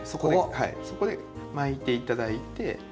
そこで巻いていただいて。